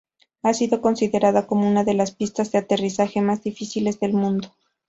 Ha sido considerada como una de las pistas de aterrizaje más difíciles del mundo.